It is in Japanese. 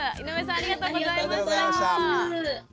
ありがとうございます。